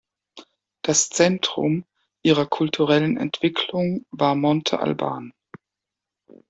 Das Zentrum ihrer kulturellen Entwicklung war Monte Albán.